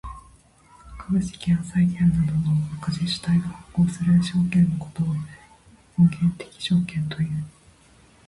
株式や債券などの赤字主体が発行する証券のことを本源的証券という。